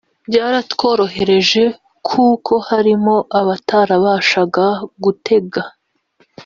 byaratworohereje kuko harimo abatarabashaga gutega